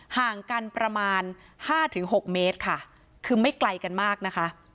ห่างกันประมาณห้าถึงหกเมตรค่ะคือไม่ไกลกันมากนะคะ